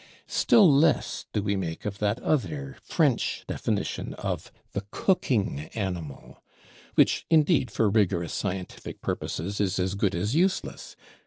Still less do we make of that other French Definition of the Cooking Animal: which, indeed, for rigorous scientific purposes, is as good as useless.